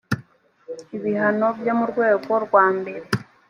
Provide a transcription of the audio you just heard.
ibihano byo mu rwego rwa mbere